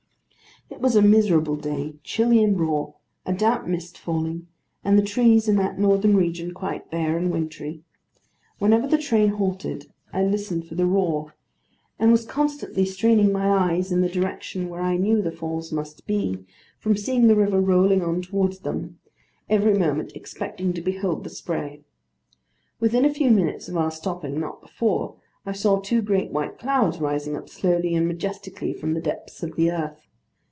It was a miserable day; chilly and raw; a damp mist falling; and the trees in that northern region quite bare and wintry. Whenever the train halted, I listened for the roar; and was constantly straining my eyes in the direction where I knew the Falls must be, from seeing the river rolling on towards them; every moment expecting to behold the spray. Within a few minutes of our stopping, not before, I saw two great white clouds rising up slowly and majestically from the depths of the earth.